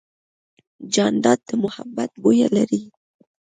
جانداد د محبت بویه لري.